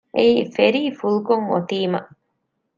އެއީ ފެރީ ފުލްކޮށް އޮތީމަ